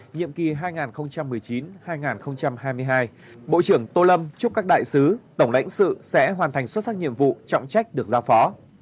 nhiệm kỳ hai nghìn một mươi chín hai nghìn hai mươi hai bộ trưởng tô lâm chúc các đại sứ tổng lãnh sự sẽ hoàn thành xuất sắc nhiệm vụ trọng trách được giao phó